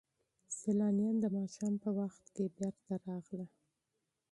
سیلانیان د ماښام په وخت کې راستانه شول.